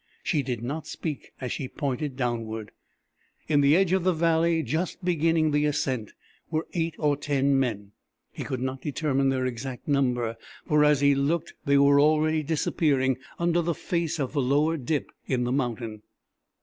She did not speak as she pointed downward. In the edge of the valley, just beginning the ascent, were eight or ten men. He could not determine their exact number for as he looked they were already disappearing under the face of the lower dip in the mountain.